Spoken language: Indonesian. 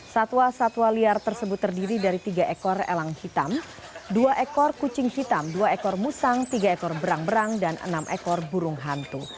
satwa satwa liar tersebut terdiri dari tiga ekor elang hitam dua ekor kucing hitam dua ekor musang tiga ekor berang berang dan enam ekor burung hantu